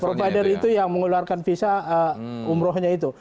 provider itu yang mengeluarkan visa umrohnya itu